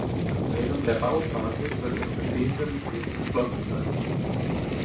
Während der Bauphase wird das bestehende Museum geschlossen sein.